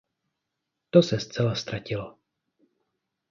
To se zcela ztratilo.